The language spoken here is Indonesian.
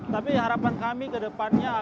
terbanyak di dunia